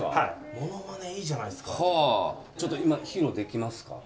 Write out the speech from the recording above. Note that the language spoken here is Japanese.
モノマネいいじゃないですかちょっと今披露できますか？